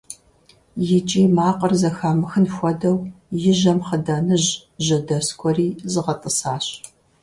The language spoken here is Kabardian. И кӀий макъыр зэхамыхын хуэдэу и жьэм хъыданыжь жьэдэскуэри згъэтӀысащ.